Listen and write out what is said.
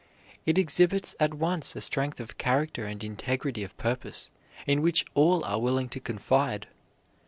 It exhibits at once a strength of character and integrity of purpose in which all are willing to confide.